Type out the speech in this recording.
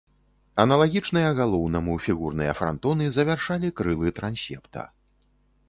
Аналагічныя галоўнаму фігурныя франтоны завяршалі крылы трансепта.